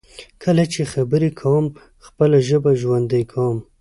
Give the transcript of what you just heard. کله چې خبرې کوم، خپله ژبه ژوندی کوم.